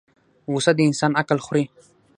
غصه د انسان عقل خوري